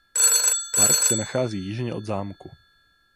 Park se nachází jižně od zámku.